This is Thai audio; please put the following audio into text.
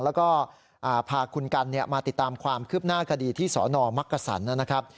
แล้วก็พาคุณกันมาติดตามความคืบหน้าคดีที่สนมักกษันนะครับ